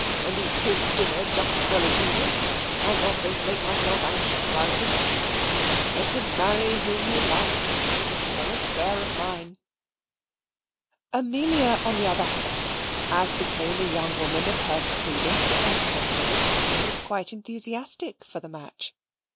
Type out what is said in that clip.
and eat his dinner just as well as usual, I am not going to make myself anxious about him. Let him marry whom he likes. It's no affair of mine." Amelia, on the other hand, as became a young woman of her prudence and temperament, was quite enthusiastic for the match.